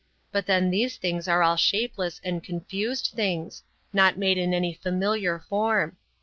But then these things are all shapeless and confused things, not made in any familiar form.